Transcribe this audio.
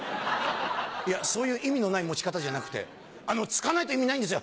「いやそういう意味のない持ち方じゃなくてつかないと意味ないんですよ」